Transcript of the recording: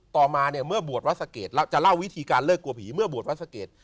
ต่อมาเนี่ยเมื่อบวชวัดสะเกดแล้วจะเล่าวิธีการเลิกกลัวผีเมื่อบวชวัดสะเกด